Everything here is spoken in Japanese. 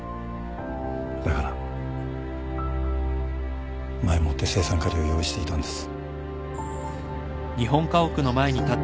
だから前もって青酸カリを用意していたんです。